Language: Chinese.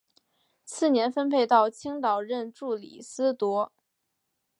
次年分配到青岛任助理司铎。